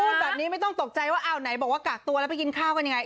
พูดแบบนี้ไม่ต้องตกใจว่าอ้าวไหนบอกว่ากากตัวแล้วไปกินข้าวกันยังไง